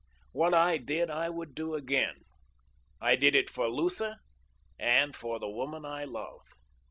What I did I would do again. I did it for Lutha and for the woman I love.